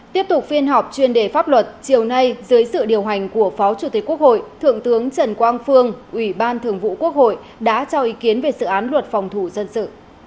tiếp tục phiên họp chuyên đề pháp luật chiều nay dưới sự điều hành của phó chủ tịch quốc hội thượng tướng trần quang phương ủy ban thường vụ quốc hội đã cho ý kiến về sự án luật phòng thủ dân sự